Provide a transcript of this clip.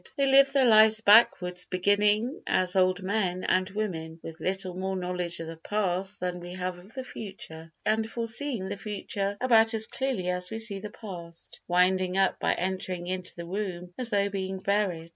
They live their lives backwards, beginning, as old men and women, with little more knowledge of the past than we have of the future, and foreseeing the future about as clearly as we see the past, winding up by entering into the womb as though being buried.